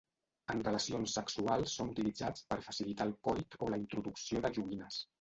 En relacions sexuals són utilitzats per facilitar el coit o la introducció de joguines.